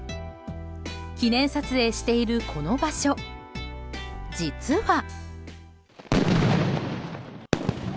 記念撮影しているこの場所実は。